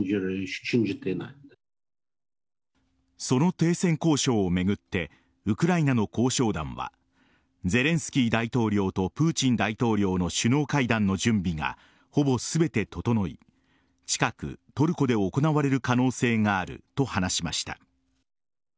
その停戦交渉を巡ってウクライナの交渉団はゼレンスキー大統領とプーチン大統領の首脳会談の準備がほぼ全て整い近くトルコで行われる可能性があると話しました。